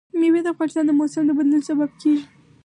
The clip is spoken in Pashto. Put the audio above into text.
مېوې د افغانستان د موسم د بدلون سبب کېږي.